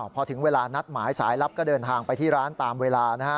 พอถึงเวลานัดหมายสายลับก็เดินทางไปที่ร้านตามเวลา